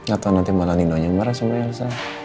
atau nanti malah nino yang marah sama elsa